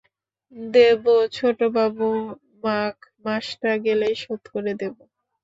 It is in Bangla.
দেব ছোটবাবু, মাঘ মাসটা গেলেই শোধ করে দেব।